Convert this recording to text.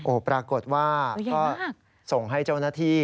ปรากฏว่าก็ส่งให้เจ้าหน้าที่